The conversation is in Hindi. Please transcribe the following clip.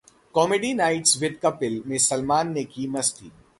'कॉमेडी नाईट्स विद कपिल' में सलमान ने की मस्ती